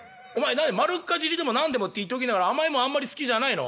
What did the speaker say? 丸っかじりでも何でもって言っときながら甘いもんあんまり好きじゃないの？」。